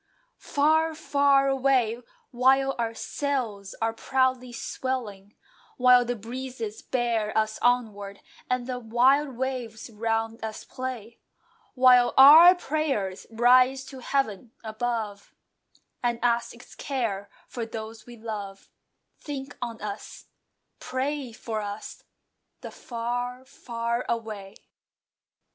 Far, far away! While our sails are proudly swelling, While the breezes bear us onward, and the wild waves round us play, While our prayers rise to heaven above, And ask its care for those we love, Think on us, pray for us, The "Far, far away!"